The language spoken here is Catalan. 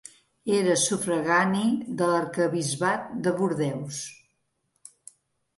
Era sufragani de l'arquebisbat de Bordeus.